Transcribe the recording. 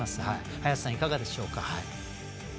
早瀬さん、いかがでしょうか？